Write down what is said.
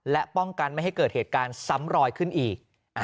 และป้องกันไม่ให้เกิดเหตุการณ์ซ้ำรอยขึ้นอีก